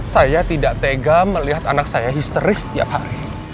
saya tidak tega melihat anak saya histeris setiap hari